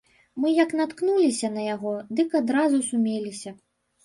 Мы як наткнуліся на яго, дык адразу сумеліся.